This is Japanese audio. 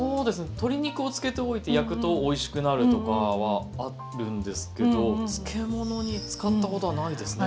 鶏肉を漬けておいて焼くとおいしくなるとかはあるんですけど漬物に使ったことはないですね。